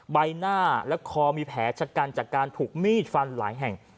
ใบหน้าและคอมีแผลชะกันจากการถูกมีดฟันหลายแห่ง